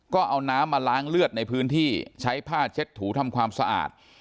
ก็เอาน้ำมาล้างเลือดในพื้นที่ใช้ผ้าเช็ดถูทำความสะอาด